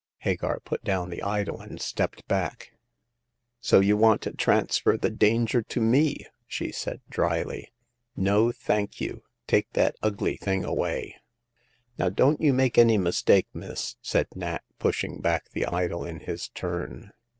Hagar put down the idol and stepped back. " So you want to transfer the danger to me ?" she said, dryly. " No, thank you ; take that ugly thing away !*'" Now, don't you make any mistake, miss," said Nat, pushing back the idol in his turn.